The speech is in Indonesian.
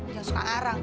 jangan suka arang